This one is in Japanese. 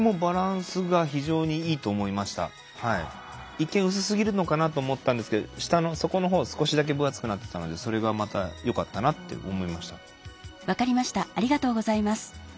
一見薄すぎるのかなと思ったんですけど下の底のほう少しだけ分厚くなってたのでそれがまたよかったなって思いました。